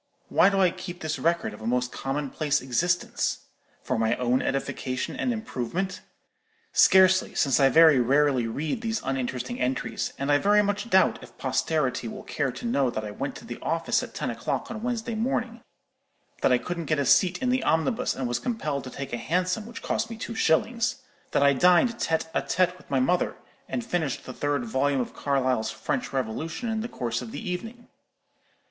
Why do I keep this record of a most commonplace existence? For my own edification and improvement? Scarcely, since I very rarely read these uninteresting entries; and I very much doubt if posterity will care to know that I went to the office at ten o'clock on Wednesday morning; that I couldn't get a seat in the omnibus, and was compelled to take a Hansom, which cost me two shillings; that I dined tête à tête with my mother, and finished the third volume of Carlyle's 'French Revolution' in the course of the evening.